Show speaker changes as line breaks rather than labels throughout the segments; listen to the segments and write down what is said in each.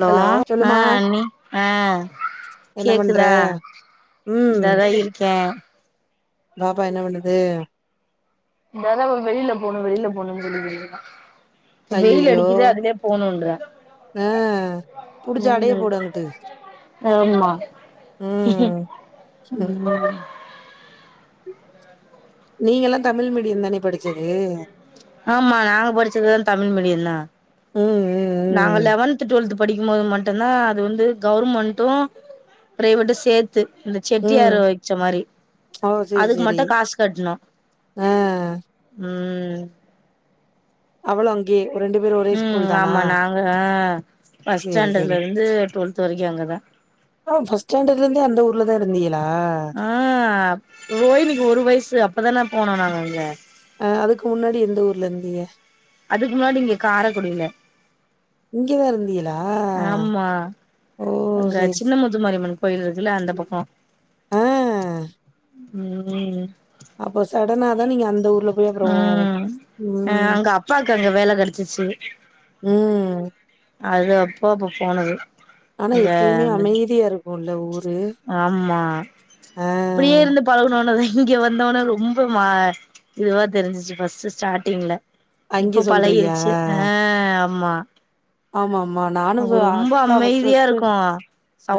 Hello ஆ அண்ணி ஆ
என்ன பண்ற
கேக்குதா
ம்
இந்தாதா இருக்கே
பாப்பா என்ன பண்ணுது
இந்தாதா அவ வெளியில போணு வெளியில போணுன் சொல்லிகிட்ருக்கா வெயில்
ஐயையோ
அடிக்கிது அதுலயே போணுன்றா
ஆ புடிச்சு
ம்
அடயப்போடு அங்குட்டு
ஆமா
ம்
ம்
நீங்கல்லா தமிழ் மீடியோந்தானே படிச்சது
ஆமா நாங்க படிச்சது தமிழ் மீடியந்தா
ம் ம்
நாங்க லெவன்த்து டுவல்த்து படிக்கும் போது மட்டுந்தா அது வந்து கவர்மண்ட்டூ பிரைவேட்டு சேத்து அந்த
ம் ம்
செட்டியாரு வச்ச மாரி
ஓ சேரி
அதுக்கு
சேரி
மட்டு காசு கட்ணோ
ஆ
ம்
அவளு அங்கயே ரெண்டு பேரு ஒரே ஸ்கூல்
உம்
தானா
ஆமா நாங்க ஆ ஃபஸ்ட்
சேரி சேரி
ஸ்டாண்டர்லருந்து டுவல்த் வரைக்கு அங்க தா
ஆ பஸ்ட் ஸ்டாண்டர்ல இருந்தே அந்த ஊர்லதா இருந்தீகளா
ஆஹ் ரோஹினிக்கு ஒரு வயசு அப்போ தான போனோ நாங்க அங்க
அ அதுக்கு முன்னாடி எந்த ஊர்ல இருந்தீங்க
அதுக்கு முன்னாடி இங்க கார குடியில
இங்கதா இருந்துகிலா ஓ செ
சின்னமுத்துமாரியம்மன் கோயில் இருக்குல்ல அந்த பக்கம்
ஆ
ம்
அப்ப சடன தா நீங்க அந்த ஊர்ல போய் அப்றோ
ம் அ
ம்
அங்க அப்பாக்கு அங்க வேல கெடச்சிச்சு
ம்
அது அப்போ அப்போ போனது
ஆனா
இங்க
எப்யுமே
அந்த
அமைதியா இருக்கு இல்ல ஊரு அ
பழகனோன தா இங்க வந்தவன ரொம்ப மா இதுவா தெரிஞ்சிச்சு பஸ்ட் ஸ்டாட்டிங்ல
அங்கே
இப்போ
சொல்றியா?
பழகிடுச்சி அ ஆமா
ஆமா ஆமா நா
அங்க ரொம்ப அமைதியா இருக்கும்மா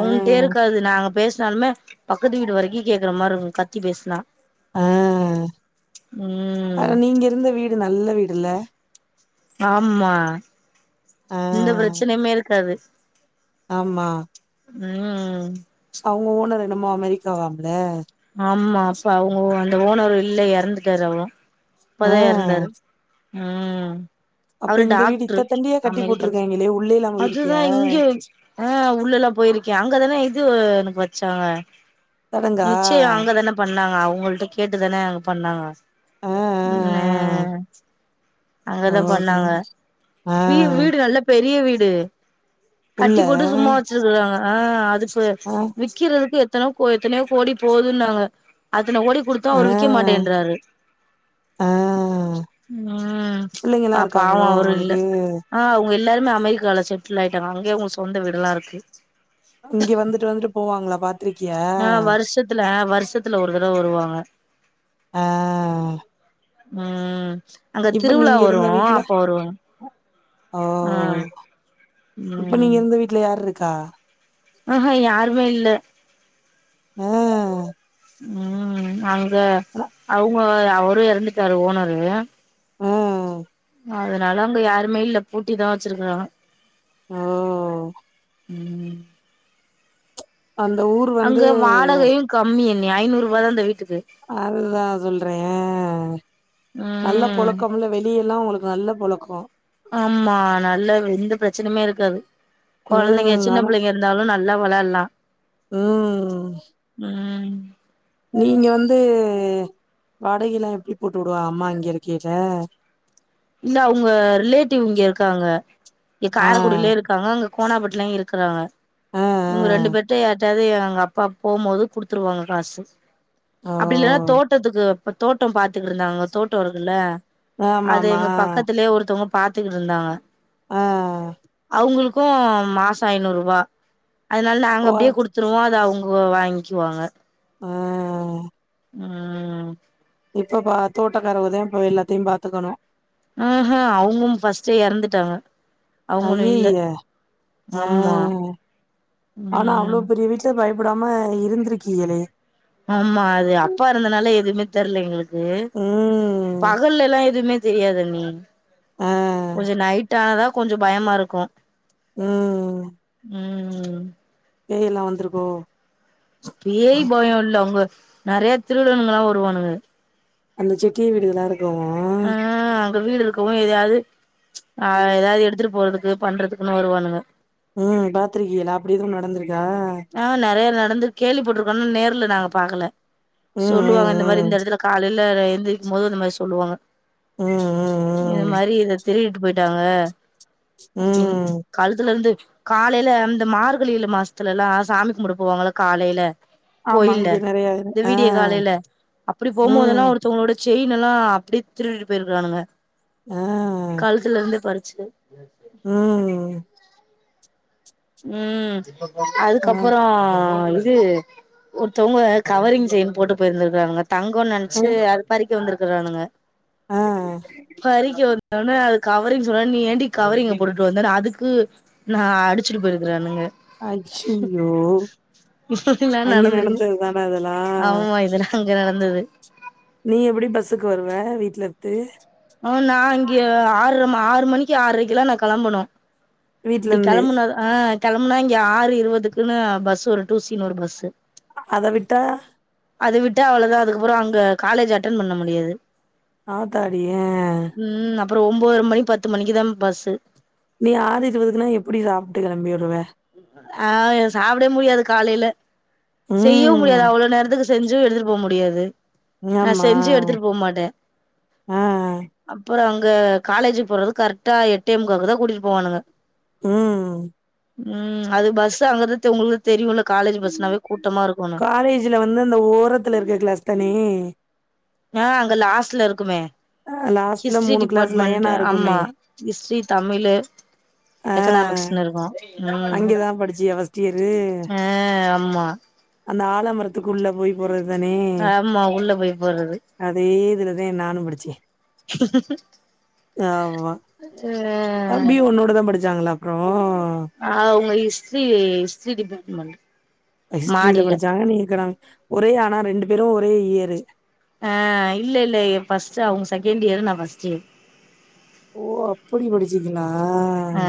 ஆ
இருக்காது நாங்க பேசினாலுமே பக்கத்து வீடு வரைக்கு கேக்குற மாரி இருக்கு கத்தி பேசுனா
அ
ம்
ஆனா நீங்க இருந்த வீடு நல்ல வீடு இல்ல
ஆமா
ஆ
எந்த பிரச்சனையுமே இருக்காது
ஆமா
ம்
அவங்க ஓனர் என்னமோ அமெரிக்காவாம் ல
ஆமா அப் அவங்க அந்த ஓனர்ரு இல்ல எறந்துட்டரு அவ இப்ப
ஆ
தா எரந்தாரு ம்
அப்ப
அவரு
இந்த வீடு
டாக்டரு
இத்த தண்டியா கட்டி
அமெரிக்கா
போட்ருக்காய்ங்களே உள்ளே இல்லாம போயிருக்கியா?
அதுதா இங்க அ உள்ள எல்லா போயிருக்கே அங்க தானே இது எனக்கு வச்சாங்க
சடங்கா?
நிச்சயோ அங்க தான பண்ணாங்க அவங்கள்ட்ட கேட்டு தான அங் பண்ணாங்க
ஆ ஆ
என் அங்க
ஆ. ஓ
தா
சரி.
பண்ணாங்க
ஆ
வி வீடு நல்ல பெரிய வீடு
உள்ள
கட்டி போட்டு சும்மா வச்சிருக்குறாங்க அ அது
ஆ
விக்கிறதுக்கு எத்தன கோ எத்தனையோ கோடி போதுன்னாங்க அத்தன குடுத்து அவர் விக்க மாட்டேன்றாரு
அ
ம்
பிள்ளைங்கல்லா இருக்காங்களோ ஒனக்கு
அ அவங்க எல்லாருமே அமெரிக்கால செட்டில் ஆயிட்டாங்க அங்கயே அவங்க சொந்த வீடெல்லா இருக்கு
இங்க வந்துட்டு வந்துட்டு போவாங்களா பா
அ வருஷத்துல அ வருஷத்துல ஒரு தடவை வருவாங்க
ஆ
ம் அங்க
இப்ப
திருவிழா
நீங்க
வரு
இருந்த வீட்ல
அப்ப வருவாங்க
ஓ
ஆ
இப்ப
ம்
நீங்க இருந்த வீட்டுல யார் இருக்கா
ம் ஹு யாருமே இல்ல
அ
ம் அங்க அவங்க அவரு எறந்துட்டாரு ஓனர்ரு
ம்
அதனால அங்க யாருமே இல்ல பூட்டி தா வச்சிருக்கறாங்க
ஓ
ம்
அந்த ஊரு
அங்க வாடகையு கம்மி அண்ணி ஐநூறு ரூபா தா இந்த வீட்டுக்கு
அதுதா சொல்றே நல்ல
ம்
பொல [unintelligible] வெளிய எல்லா உங்களுக்கு நல்ல பொழக்கோ
ஆமா நல்ல எந்த ப்ரெச்சனுமே இருக்காது கொழந்தைங்க
ம்
சின்ன
ஆனா
பிள்ளைங்க இருந்தாலு ந ல்லா வெளால்லா
ம்
ம்
நீங்க வந்து வாடகெல்லா எப்டி போட்டு வுடுவா அம்மா இங்க இருக்கீல
இந்த அவுங்க ரிலேட்டிவ் இங்க இருக்காங்க இ
ஆ
காரைக்குடிலே இருக் காங்க அங்க கோணாப்பட்லயு இருக்குறாங்க
ஆ
இவுங்க ரெண்டு பேர்ட்டையு யார்ட் டயாவ்து எங்க அப்பா போம்மோது குடுத்துருவாங்க காசு
ஆ ஓ
அப்டி இல்லனா தோட்டத்துக்கு இப்ப தோட்டம் பாத்துகிட்ருந்தாங்கோ தோட்டோ இருக்குல்ல
ஆமா ஆமா ஆ
அல்லே ஒருத்தவுங்கோ பாத்துகிட்ருந்தாங்க
ஆ
அவங்களுக்கு மாசோ ஐநூறுவா அதனால நாங்க
ஓ அத
அப்டியே குடுத் துருவோ அத அவுங்கோ வாய்ங்க்குவாங்க
ஆ
ம் ம்
இப்ப இப்பா தோட்டக்காரவகதா இப்ப எல்லாத்தியும் பாத்துக்குணு
அ அ அவுங்கும் ஃபஸ்ட்டே எறந்துட்டாங்க அவுங்களு இல்ல
ஐய்யய்ய ஆ
ஆமா ம்
து பயப்படாம இருந்திருக்கீயலே
ஆமா அது அப்பா இருந்தனால எதுமே தெரல எங்களுக்கு
ம்
பகல்லெல்லா எதுவுமே தெரியாது அண்ணி
ஆ
கொஞ்சோ நைட் டானாதா கொஞ்சோ பயமா இருக்கு
ம்
ம்
பேய் எல்லா வந்துருக்கோ
பேய் பயோ இல்ல உங்க நெறைய திருடனுங்கள வருவானுங்க
அந்த செக்கிய வீடுகல்லா இருக் கோ
ஆ அங்க வீடு இரு க்கு எதயாவ்து ஆ எதாவ்து எடுத்துட்டு போறதுக்கு பண்றதுக்குன்னு வருவானுங்க
ம் பாத்திருக்கீயல்லா அப்படி எதுவு நடந்திருக்கா
ஆ நெறைய நடந்து கேள்விப் பட்டுருக்கோ ஆனா நேர்ல நாங்க பாக்கல
ம்
சொல்லுவாங்க இந்த மாரி
ம்
இந்த எடத்துல காலையில எந்திரிக்குமோது இந்த மாரி சொல்லுவாங்க
ம்
இது
ம் ம்
மாரி இத திருடிட்டு போயிட்டாங்க அப்டின்னு
ம் ம்
கழுத்துலெருந்து காலையில அந்த மார்கழியில மாஸ்த்துலெல்லா சாமி கும்பட போவாங்கல காலையில
ஆமா
கோயில்ல
இங்க நெறைய
இந்த
ஆ
வீடிய காலையில அப்டி போமோதெல்லா
ம்
ஒருத்தவங்களோட செயினெல்லா அப்புடே திருட்டிட்டு போயிருக்கானுங்க
ஆ
காழுத்துலருந்து பறிச்சு
ம்
ம்
ஆ
அதுக்கப்பறோ இது ஒருத்தவுங்க கவரிங் செயின் போட்டு போயிருந்திருக்காங்க தங்கோன் நென்ச்சி அது பறிக் க வந்துருக்கறானுங்க
ஆ
பறிக்க வந்தோனே அது கவரிங் சொன்ன நீ ஏன்டி கவரிங்க போட்டுட்டு வந்தே அதுக்கு நா அடி ச்சிட்டு போயிருக்கறானுங்க
அய்யய்யோ
இதல்லா
அங்க
நடந்துருது
நடந்தது தான அதெல்லா
ஆமா இதெல்லா அங்க நடந்தர்து
நீ எப்படி பஸ்ஸுக்கு வருவ வீட்டலர்து
ம் நா இங்க ஆர்ற ஆறு மணிக்கு ஆரைக்கல்லா நா களம்பனோ
வீட்ல
இப்டி
இருந்து
கெளம்புனாதா ஆ கெளம்புனா இங்க ஆறு இருவதுக்குன்னு பஸ் ஒரு டூசினு ஒரு பஸ்ஸு
அத விட்டா
அது விட்டா அவ்ளோதா அதுப்பறோ அங்க காலேஜ் அட்டென் பண்ண முடியாது
ஆ தாடிய
உம் அப்பறோ ஒம்பதர மணி பத்து மணிக்கு தா பஸ்ஸு
நீ ஆறு இருவதுக்குன்னா எப்டி சாப்ட்டு கெளம்பி வருவ
அ சாப்டே முடியாது காலேல செய்யோ முடியாது
ம்
அவ்ளோ நேரத்துக்கு செஞ்சோ எடுத்துட்டு போக முடியாது நா
ஆமா
செஞ்சி எடுத்துட்டு போ மாட்ட
ஆ
அப்பறோ அங்க காலேஜ்க் போறது கரெக்டா எட்டே முக்காவுக்கு தா கூட்டிட் போவானுங்க
உம்
உம் அது பஸ் அங்கற உங்களுக்கு தெரியோல்ல காலேஜ் பஸ்னாவே கூட்டமா இருக்குன்
காலேஜில்ல வந்து அந்த ஓரத்துல இருக்க கிளாஸ் தானே
அ அங்க லாஸ்ட்ல இருக்குமே
அ லாஸ்ட்ல
ஹிஸ்ட்ரி
மூணு கிளாஸ்
டிபார்ட்மெண்ட்
லயனா
ஆமா
இருக்குமே
ஹிஸ்ட்ரி தமிழு எக்கனாமிக்ஸ்னு இருக்கோம்
அங்க தா படிச்சியா பஸ்ட் இயரு
ஆ ஆமா
அந்த ஆலமரத் த்துக்குள்ள போய் போற தானே
ஆமா உள்ள போய் போறது
அதே இதுலத நானு படிச்சே ஆமா தம்பி ஒன்னோடத படிச் சாங்களா அப்றோ
அவுங்க ஹிஸ்ட்ரி ஹிஸ்டரி டிபார்ட்மெண்ட்
ஹிஸ்ட்ரியில
மாடியில
படிச்சாங்க நீ எக்கனாமிக் ஒரே ஆனா ரெண்டு பேரோ ஒரே இயரு
அ இல்ல இல்ல ஃபர்ஸ்டு அவுங்க செகண்ட் இயர்ரு நா ஃபர்ஸ்ட் இயர்
ஓ அப்படி படிச்சிக்கலா
ஆ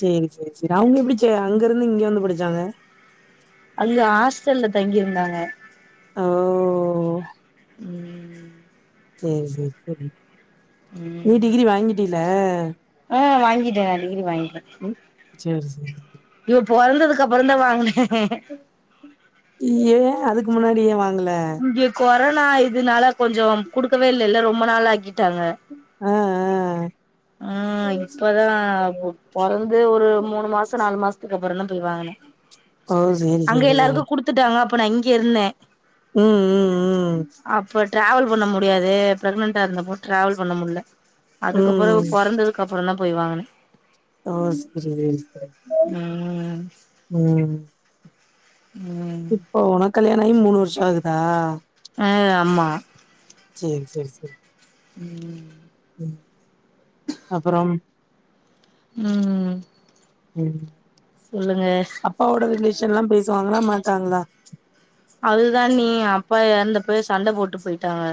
சேரி செரி செரி அவுங்க எப்டி க அங்கருந்து இங்க வந்து படிச்சாங்க
அங்க ஹாஸ்டல்ல தங்கியிருந்தாங்க
ஓ
ம்
சேரி செர் ஓகே நீ டிகிரி வாங்கிடேல்ல
ம் வாங்கிட்டே நா டிகிரி வாங்கிட்ட
ம் சேரி சரி
இவா பொறந்ததுக்கு அப்புறம் தான் வாங்குனே
யே அதுக்கு முன்னாடி ய வாங்கல
இங்க கொரோனா இதுனால கொஞ்சோம் குடுக்கவே இல்லல்ல ரொம்ப நாள் ஆக்கிட்டாங்க
அ அ
ம் இப்பதா பொறந்து ஒரு மூணு மாசம் நாலு மாஸ்த்துக்கு அப்புறோந்தா போய் வாங்குன
ஓ சேரி
அங்க
சேரி சேரி
எல்லாருக்கும் குடுத்துட்டாங்க அப்ப நா இங்கயிருந்தே
உம்
அப்ப டிராவல் பண்ண முடியாது பிரெக்னன்டா இருந்தப்போ டிராவல் பண்ண முல்ல அதுக்கப்புறவு
ம்
பொறந்ததுக்கு அப்புறந்தா போய் வாங்குன
ஓ சேரி சேரி
ம்
உம்
ம்
இப்போ ஒனக் கல்யாணாகி மூணு வர்ஷோ ஆகுதா
அ ஆமா
சேரி சேரி செரி
ம்
ம் அப்புறம்
ம்
ம்
சொல்லுங்க
அப்பாவோட ரிலேசன்லா பேசுவாங்ளா மாட்டாங்ளா
அதுதா அண்ணி அப்பா எறந்தப்பயே சண்ட போட்டு போயிட்டாங்க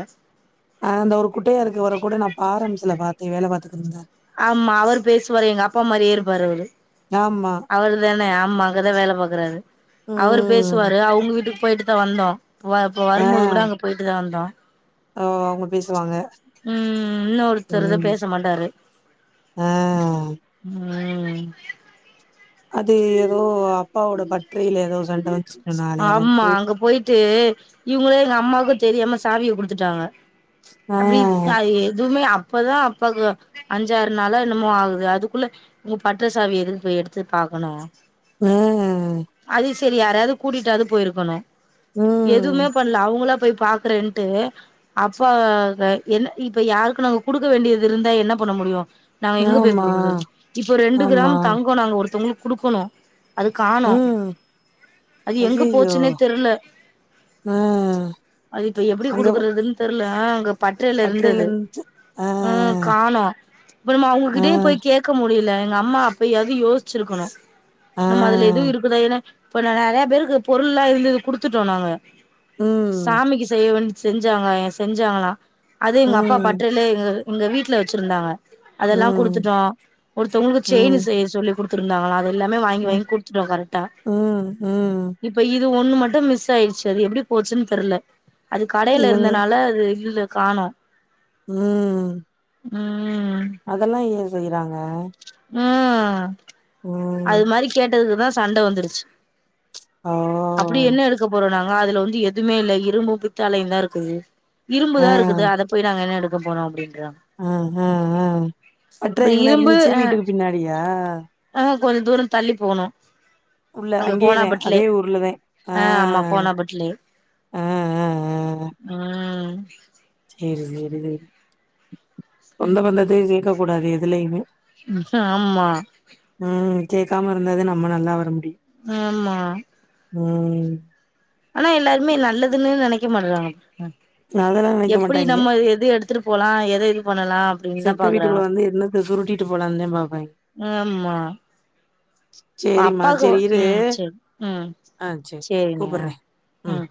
ஆ அந்த ஒரு குட்டையா இருக்ரவர கூட நா பாரம்சில பாத்தே வேல பாத்திக்கிட்டு இருந்தா
ஆமா அவரு பேசுவாரு எங்க அப்பா மாியே இருப்பாரு அவரு
ஆமா
அவரு தான ஆமா அங்கதா வேல பாக்குறாரு அவரு
ம்
பேசுவாரு அவுங்க வீட்டுக்கு போயிட்டு தா வந்தோ வ இப்ப
ஆ
வரும்போது கூட அங்க போயிட்டு தா வந்தோ
ஓ அவங்க பேசுவாங்க
ம் இன்னு ஒருத்தர்தா
ம்
பேச மாட்டாரு
ஆ
ம்
அது எதோ அப்பாவோட பர்த்டேயில எதோ சண்ட வந்
ஆமா அங்க போயிட்டு இவுங்களே எங்க அம்மாக்கு தெரியாம சாவிய குடுத்துட்டாங்க
ஆ
அப்டி ப எதுமே அ அப்பதா அப்பாக்கு அஞ்சாறு நாளா என்னமோ ஆகுது அதுக்குள்ள இவுங்க பட்றசாவி எதுக்கு போய் எடுத்து பாக்கணு
ஆ
அது செரி யாரையாது கூட்டிட்டாவது போயிருக்கணு எதுமே
ம்
பண்ல அவங்களா போய் பாக்குறேன்ட்டு அப்பாவ த என்ன இப்ப யாருக்கு நாங்க குடுக்க வேண்டியது இருந்தா என்ன பண்ண முடியு நாங்க எங்க போய்
ஆமா
குடுக்குறது இப்போ ரெண்டு
ஆமா
கிராம் தங்கோ நாங்க ஒருத்தங்களுக்கு குடுக்கணு அது காணோ
ம்
அது எங்க
ஐயையோ
போச்சுன்னே தெர்ல
ஆ
அது இப்ப எப்டி
அங்க
குடுக்குறதுன் தெர்ல அ அங்க பட்றைல
பட்டறையில
இருந்தது
இருந்து ஆ
அ காணோ இப்ப நம்ம
ஆ
அவுங்ககிட்டயு போய் கேக் க முடியல எங்க அம்மா அப்பயாது யோசிச்சிருக்கணு
ஆ
நம்ம அதுல எதுவு இருக்குதா ஏனா இப்ப நெறைய பேருக்கு பொருள்ல்லா இருந்தது கொடுத்துட்டோ நாங்க
ம்
சாமிக்கு செய்ய வேண் செஞ்சாங்க என் செஞ்சாங்களா அது எங்க அப்பா
ம்,
பட்றையிலே எங்க எங்க வீட்ல வச்சிருந்தாங்க அதெல்லா
ம்,
குடுத்துட்டோ ஒருத்தவங்களுக்கு செயின்
ம்,
செய்ய சொல்லி குடுத்துருந்தாங்களா எல்லாமே வாங்கி
ம்,
வாங்கி குடுத்துட்டோ கரெக்டா
ம் ம்
இப்ப இது ஒன்னு மட்டும் மிஸ் ஆயிர்ச்சு அது எப்டி போச்சுன் தெர்ல அது கடைல
இவங்க
இருந்தனால அது இல்ல காணோ
ம் ம்
ம்
அதெல்லா ஏ செய்றாங்க
ம் அது
ம்.
மாரி கேட்டதுக்குதா சண்ட வந்துருச்சு
ஆ
அப்டி என்ன எடுக்க போறோ நாங்க அதுல வந்து எதுமே இல்ல இரும்பு பித்தலையு தா இருக்குது
ஆ,
இரும்புதா இருக்குது அத போய் நாங்க என்ன எடுக்கப் போறோ அப்டின்றாங்க
ஆ ஆ ஆ பட்ர
அப்றோ
எங்கன
இரும்பு
இருந்துச்சு
அ
வீட்டுக்கு பின்னாடியா
ஆ கொஞ்ச தூரோ தள்ளி போணு
உள்ள
அங்க
அங்கேயேதான்.
கோனாபட்லே
அதே ஊர்ல தான்.
ஆ ஆமா கோனாபட்லே
ஆ, ஆ,
ம்
சேரி சேரி சேர் சொந்த பந்தத்தையு சேக்க கூடாது எதுலையிமே
ஆமா
ம் சேக்காம இருந்தா தா நம்ம நல்லா வரமுடியு
ஆமா
ம்
ஆனா எல்லாருமே நல்லதுன்னே நெனைக்க மாட்றாங்கபா
அதெல்லாம் நினைக்க
எப்டி
மாட்டாய்ங்க.
நம்ம எது எடுத் துட்டு போலா எத பண்ணலா அப்டின்னு தா
செத்த
பாக்குறாங்க
வீட்டுக்குள்ள வந்து என்னத்த சுருட்டிட்டு போலான்ந்தே பாப்பாய்ங்க
ஆமா
சேரிம்மா
அப்பாக்கு
சேரி இரு
ம் சேரி ம்
ஆ சேரி
சேரிங்க
கூப்பறே ம்